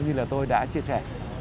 như là tôi đã chia sẻ